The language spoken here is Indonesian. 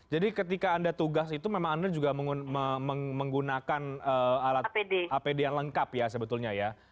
jadi ketika anda tugas itu memang anda juga menggunakan alat apd yang lengkap ya sebetulnya ya